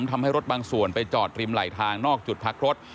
ทำให้รถบางส่วนไปจอดริมไหลทางนอกจุดพักรถ